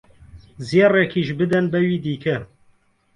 زێڕێکیش بدەن بەوی دیکە